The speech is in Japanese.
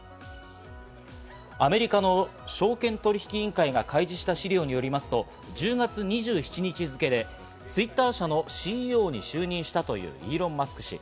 アメリカの証券取引委員会が開示した資料によりますと、１０月２７日付でＴｗｉｔｔｅｒ社のＣＥＯに就任したイーロン・マスク氏。